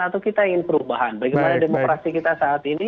atau kita ingin perubahan bagaimana demokrasi kita saat ini